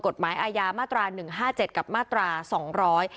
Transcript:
กฎหมายอาญามาตราหนึ่งห้าเจ็ดกับมาตราสองร้อย